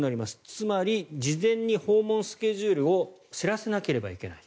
つまり事前に訪問スケジュールを知らせなければいけない。